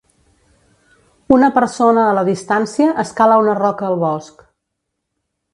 Una persona a la distància escala una roca al bosc.